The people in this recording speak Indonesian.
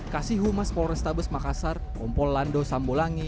kasih humas polrestabes makassar kompol lando sambolangi